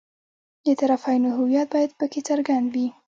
د طرفینو هویت باید په کې څرګند وي.